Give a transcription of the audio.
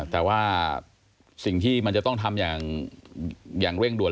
แต่ว่าสิ่งที่มันจะต้องทำอย่างเร่งด่วน